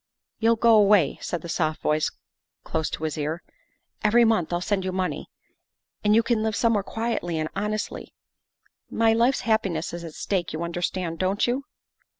" You'll go away," said the soft voice close to his ear; " every month I'll send you money, and you can live somewhere quietly and honestly. My life's happi ness is at stake you understand, don't you?"